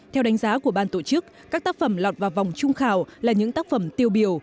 theo đánh giá của ban tổ chức các tác phẩm lọt vào vòng trung khảo là những tác phẩm tiêu biểu